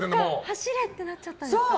走れ！ってなっちゃったんですか。